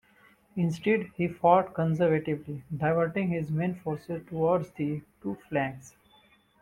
Instead, he fought conservatively, diverting his main forces towards the two flanks.